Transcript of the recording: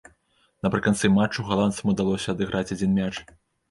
Напрыканцы матчу галандцам удалося адыграць адзін мяч.